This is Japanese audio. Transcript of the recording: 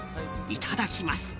いただきます。